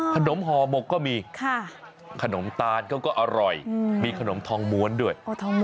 ห่อหมกก็มีขนมตาลเขาก็อร่อยมีขนมทองม้วนด้วย